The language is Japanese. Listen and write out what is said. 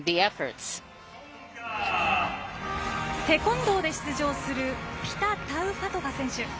テコンドーで出場する、ピタ・タウファトファ選手。